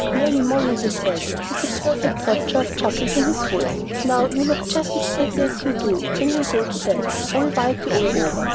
"Molly, Molly," he said, with a perfect rapture of chuckles in his voice, "now you look just as pretty as you do when you go to bed all whity all over.